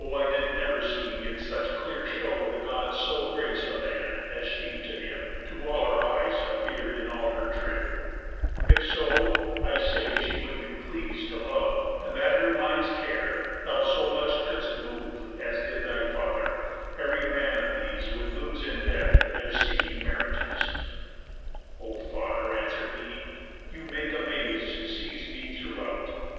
I did never see, in such clear show, The Gods so grace a man, as she to him, To all our eyes, appear'd in all her trim) If so, I say, she would be pleas'd to love, And that her mind's care thou so much couldst move, As did thy father, ev'ry man of these Would lose in death their seeking marriages." "O father," answer'd he, "you make amaze Seize me throughout.